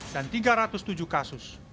dan tiga ratus tujuh kasus